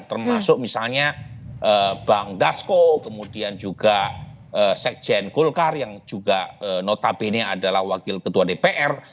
termasuk misalnya bang dasko kemudian juga sekjen golkar yang juga notabene adalah wakil ketua dpr